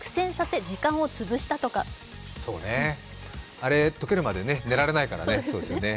あれ、溶けるまで寝られないからね。